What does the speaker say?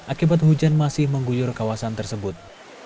akibat hujan masih mengguyur kawasan tersebut